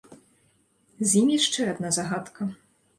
З ім яшчэ адна загадка.